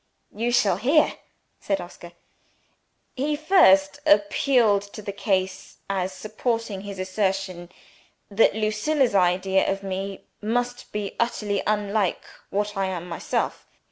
"You shall hear," said Oscar. "He first appealed to the case as supporting his assertion that Lucilla's idea of me must be utterly unlike what I am myself.